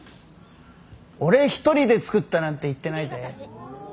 俺一人で作ったなんて言ってないぜ。